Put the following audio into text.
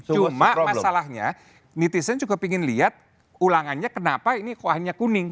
cuma masalahnya netizen juga ingin lihat ulangannya kenapa ini kok hanya kuning